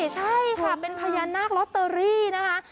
ใช่ค่ะเป็นพญานาคลอตเตอรี่นะคะ